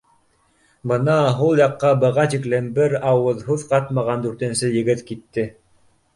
Бына һул яҡҡа быға тиклем бер ауыҙ һүҙ ҡатмаған дүртенсе егет китте